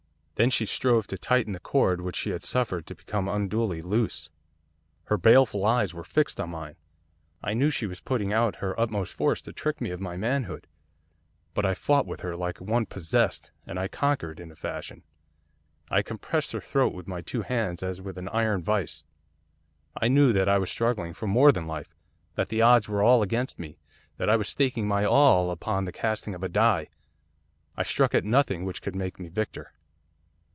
Then she strove to tighten the cord which she had suffered to become unduly loose. Her baleful eyes were fixed on mine. I knew that she was putting out her utmost force to trick me of my manhood. But I fought with her like one possessed, and I conquered in a fashion. I compressed her throat with my two hands as with an iron vice. I knew that I was struggling for more than life, that the odds were all against me, that I was staking my all upon the casting of a die, I stuck at nothing which could make me victor.